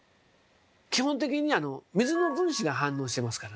基本的には水の分子が反応してますからね。